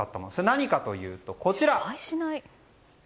何かというと、こちら！